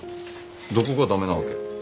どこが駄目なわけ？